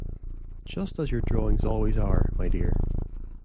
Just as your drawings always are, my dear.